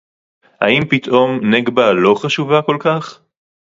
האם פתאום נגבה לא חשובה כל כך